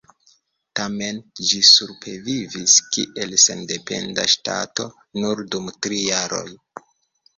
Tamen ĝi supervivis kiel sendependa ŝtato nur dum tri jaroj.